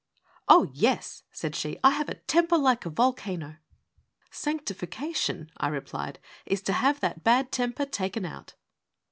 '' Oh, yes,' said she, ' I have a temper like a volcano.' 'Sanctification,' I replied, 'is to have that bad temper taken out.